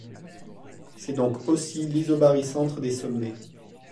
C'est donc aussi l'isobarycentre des sommets.